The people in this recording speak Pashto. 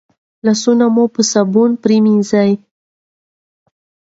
لاسونه مو په صابون پریمنځئ.